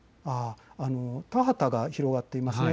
田畑が広がっていますね。